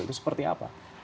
itu seperti apa